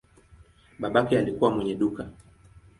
Babake alikuwa mwenye duka.